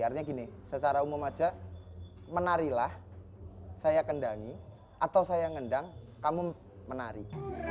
artinya gini secara umum aja menarilah saya kendangi atau saya ngendang kamu menari